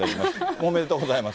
おめでとうございます。